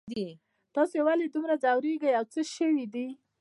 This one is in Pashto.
تاسو ولې دومره ځوریږئ او څه شوي دي